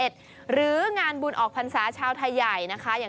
หรืองานบุญออกพรรษาชาวไทยใหญ่นะคะ